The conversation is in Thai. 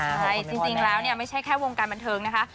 ใช่จริงแล้วเนี่ยไม่ใช่แค่วงการบันเทิงนะคะ